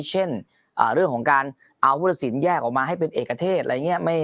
เช่นเรื่องของการเอาผู้ตัดสินแยกออกมาให้เป็นเอกเทศอะไรอย่างนี้